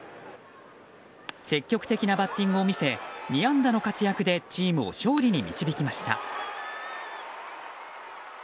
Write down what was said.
積極的なバッティングを見せ２安打の活躍でチームを勝利に導きました。